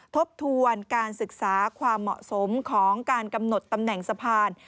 ทบทวนการศึกษาความเหมาะสมของการกำหนดตำแหน่งสะพาน